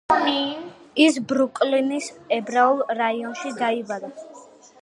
ის ბრუკლინის ებრაულ რაიონში დაიბადა.